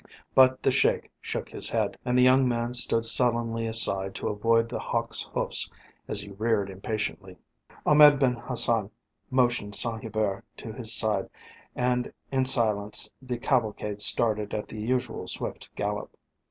But the Sheik shook his head, and the young man stood sullenly aside to avoid The Hawk's hoofs as he reared impatiently. Ahmed Ben Hassan motioned Saint Hubert to his side and in silence the cavalcade started at the usual swift gallop.